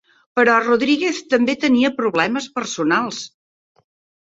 Però Rodríguez també tenia problemes personals.